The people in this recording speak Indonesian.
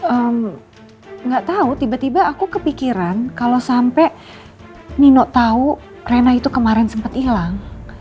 ehm gak tau tiba tiba aku kepikiran kalau sampai nino tau rena itu kemarin sempet ilang